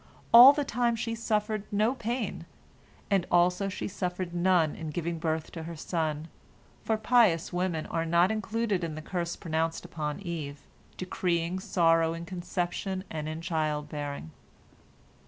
All the time she suffered no pain, and also she suffered none in giving birth to her son, for pious women are not included in the curse pronounced upon Eve, decreeing sorrow in conception and in childbearing.